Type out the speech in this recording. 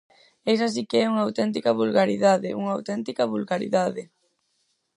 Esa si que é unha auténtica vulgaridade, unha auténtica vulgaridade.